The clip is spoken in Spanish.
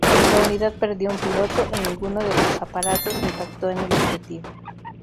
La unidad perdió un piloto y ninguno de los aparatos impactó en el objetivo.